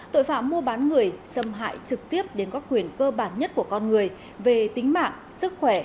tội phạm mua bán người xâm hại trực tiếp đến các quyền cơ bản nhất của con người về tính mạng sức khỏe